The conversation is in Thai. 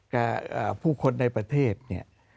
กับผู้คนในประเทศเนี่ย